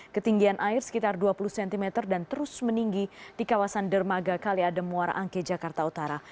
ketinggian air sekitar dua puluh cm dan terus meninggi di kawasan dermaga kaliadem muara angke jakarta utara